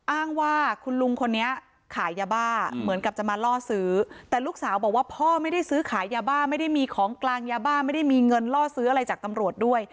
อ้างว่าคุณลุงคนนี้ขายยาบ้าเหมือนกับจะมาล่อซื้อแต่ลูกสาวบอกว่าพ่อไม่ได้ซื้อขายยาบ้าไม่ได้มีของกลางยาบ้าไม่ได้มีเงินล่อซื้ออะไรจากตำรวจด้วย